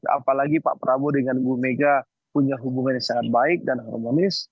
apalagi pak prabowo dengan bu mega punya hubungan yang sangat baik dan harmonis